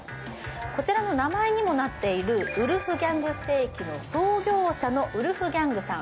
こちらの名前にもなっているウルフギャング・ステーキの創業者のウルフギャングさん